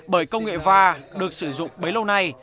bởi công nghệ va được sử dụng bấy lâu nay